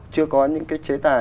chưa có những cái chế tài